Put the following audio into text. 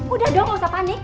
udah dong gak usah panik